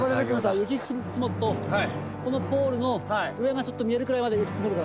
雪積もるとこのポールの上がちょっと見えるくらいまで雪積もるから。